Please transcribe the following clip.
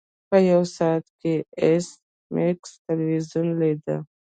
په یو ساعت کې ایس میکس تلویزیون لیده